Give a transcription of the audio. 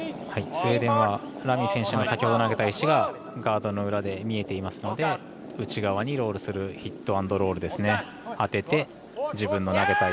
スウェーデンはラミー選手の先ほど投げた石がガードの裏で見えていますので内側にロールするヒット・アンド・ロール。